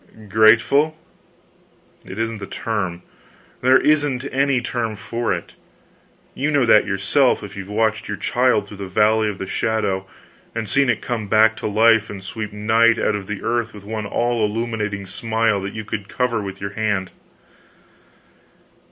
Grateful? It isn't the term. There isn't any term for it. You know that yourself, if you've watched your child through the Valley of the Shadow and seen it come back to life and sweep night out of the earth with one all illuminating smile that you could cover with your hand.